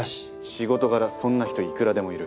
仕事柄そんな人いくらでもいる。